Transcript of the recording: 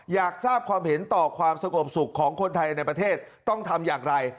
อยากทราบความเห็นต่อความสงบสุขของคนไทยในประเทศต้องทำอย่างไร